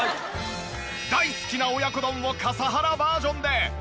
大好きな親子丼を笠原バージョンで。